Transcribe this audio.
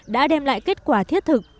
đã đem lại kết quả thiết thực